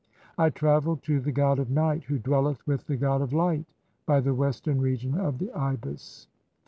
"I travel (?) to the god of night (?), who dwelleth with the god "of light, by the western region of the Ibis